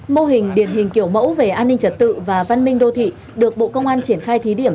mô hình điển hình kiểu mẫu về an ninh trật tự và văn minh đô thị được bộ công an triển khai thí điểm